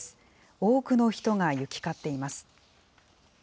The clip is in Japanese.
多くの人が行き交っています。